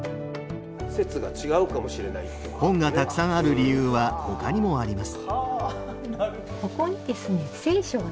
本がたくさんある理由はほかにもあります。